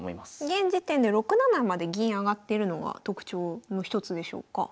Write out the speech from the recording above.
現時点で６七まで銀上がってるのが特徴の一つでしょうか？